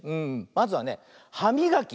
まずはねはみがき。